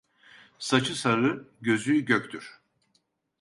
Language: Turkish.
Saçı sarı gözü göktür.